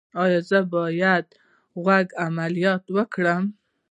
ایا زه باید د غوږ عملیات وکړم؟